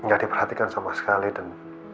nggak diperhatikan sama sekali dan